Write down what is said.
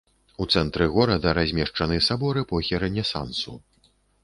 У цэнтры горада размешчаны сабор эпохі рэнесансу.